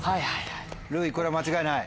るういこれは間違いない？